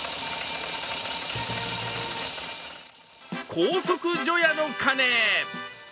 高速除夜の鐘！